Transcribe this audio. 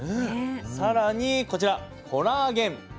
更にこちらコラーゲン。